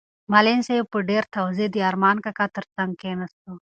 معلم صاحب په ډېرې تواضع د ارمان کاکا تر څنګ کېناست.